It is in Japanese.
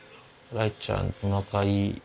雷ちゃん伝いで。